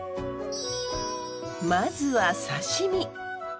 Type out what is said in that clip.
まずは刺身。